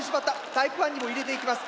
タイプ１にも入れていきます。